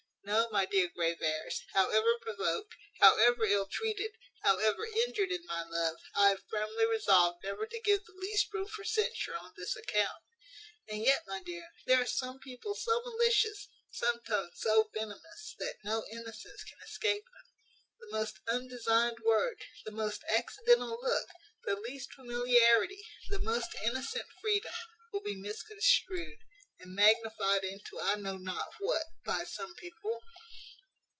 No, my dear Graveairs, however provoked, however ill treated, however injured in my love, I have firmly resolved never to give the least room for censure on this account. And yet, my dear, there are some people so malicious, some tongues so venomous, that no innocence can escape them. The most undesigned word, the most accidental look, the least familiarity, the most innocent freedom, will be misconstrued, and magnified into I know not what, by some people.